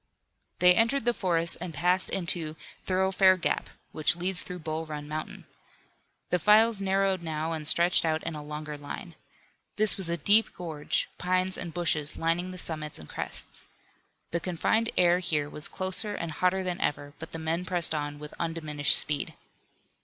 They entered the forest and passed into Thoroughfare Gap, which leads through Bull Run Mountain. The files narrowed now and stretched out in a longer line. This was a deep gorge, pines and bushes lining the summits and crests. The confined air here was closer and hotter than ever, but the men pressed on with undiminished speed.